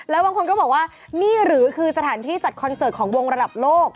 แล้วบางคนก็บอกว่านี่หรือคือสถานที่จัดคอนเสิร์ตของวงระดับโลก